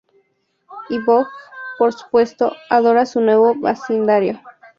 Y Boj, por supuesto, adora su nuevo vecindario.